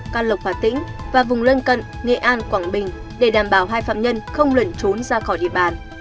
can lộc hà tĩnh và vùng lân cận nghệ an quảng bình để đảm bảo hai phạm nhân không lẩn trốn ra khỏi địa bàn